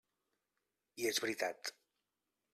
I és veritat.